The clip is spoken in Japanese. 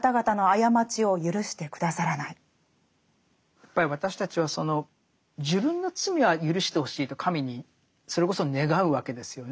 やっぱり私たちはその自分の罪はゆるしてほしいと神にそれこそ願うわけですよね。